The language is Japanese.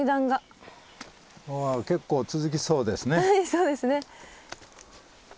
そうですね。